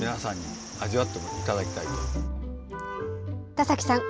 田崎さん